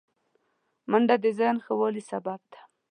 منډه د ذهن ښه والي سبب ده